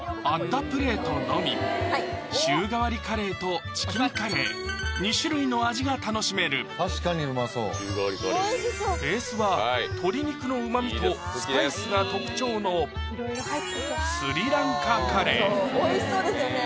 プレートのみ週替わりカレーとチキンカレー２種類の味が楽しめる確かにうまそうベースは鶏肉のうま味とスパイスが特徴のそう美味しそうですよね